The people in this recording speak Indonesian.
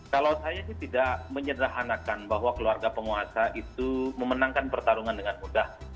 kalau saya sih tidak menyederhanakan bahwa keluarga penguasa itu memenangkan pertarungan dengan mudah